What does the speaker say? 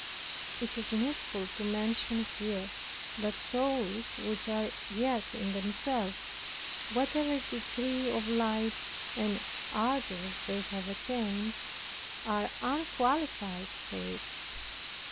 It is needful to mention here that souls which are yet in themselves, whatever degree of light and ardor they have attained, are unqualified for it.